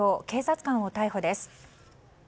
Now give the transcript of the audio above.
警察官を逮捕です。